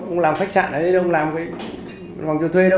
ông làm khách sạn ở đây ông làm cái